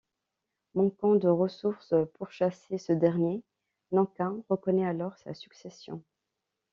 Manquant de ressources pour chasser ce dernier, Nankin reconnaît alors sa succession.